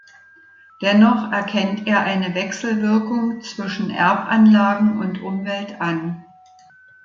Dennoch erkennt er eine Wechselwirkung zwischen Erbanlagen und Umwelt an.